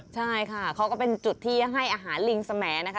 ใช่ค่ะเขาก็เป็นจุดที่ให้อาหารลิงสมัยนะคะ